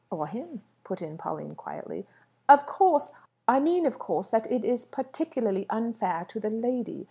"Or him," put in Pauline quietly. "Of course. I mean, of course, that it is particularly unfair to the lady.